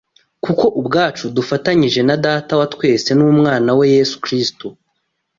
kuko ubwacu dufatanyije na Data wa twese n’Umana we Yesu Kristo